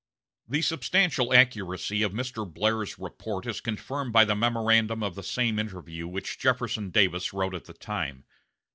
The substantial accuracy of Mr. Blair's report is confirmed by the memorandum of the same interview which Jefferson Davis wrote at the time.